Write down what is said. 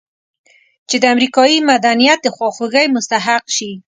چې د امریکایي مدنیت د خواخوږۍ مستحق شي.